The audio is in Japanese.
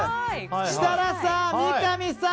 設楽さん、三上さん